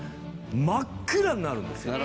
真っ暗になるんですよ夜。